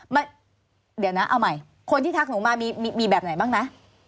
ไม่เดี๋ยวนะเอาใหม่คนที่ทักหนูมามีแบบไหนบ้างนะ